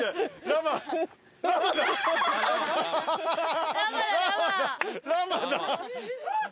ラマだ。